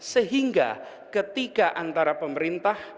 sehingga ketika antara pemerintah